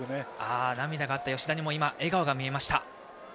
涙があった吉田にも笑顔がありました。